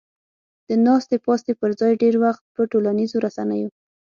د ناستې پاستې پر ځای ډېر وخت په ټولنیزو رسنیو